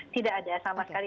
tidak ada sama sekali